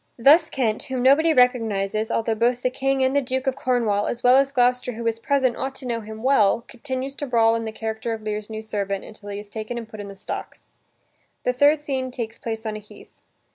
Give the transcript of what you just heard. Thus Kent, whom nobody recognizes, altho both the King and the Duke of Cornwall, as well as Gloucester who is present, ought to know him well, continues to brawl, in the character of Lear's new servant, until he is taken and put in the stocks. The third scene takes place on a heath.